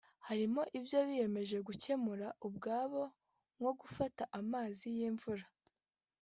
Hari ibyo biyemeje gukemura ubwabo nko gufata amazi y’imvura